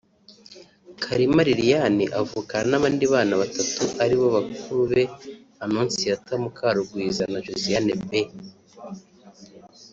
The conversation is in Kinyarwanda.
Kalima Liliane avukana n’abandi bana batatu ari bo bakuru be Annonciatta Mukarungwiza na Josiane B